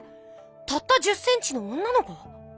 たった１０ｃｍの女の子？